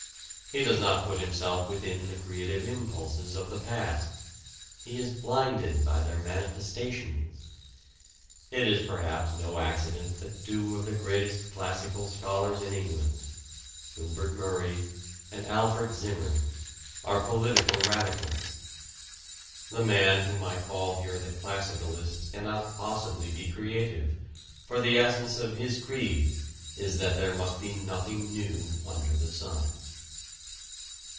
He does not put himself within the creative impulses of the past: he is blinded by their manifestations. It is perhaps no accident that two of the greatest classical scholars in England Gilbert Murray and Alfred Zimmern are political radicals. The man whom I call here the classicalist cannot possibly be creative, for the essence of his creed is that there must be nothing new under the sun.